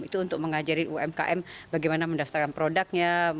itu untuk mengajari umkm bagaimana mendaftarkan produknya